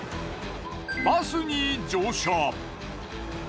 バスに乗車。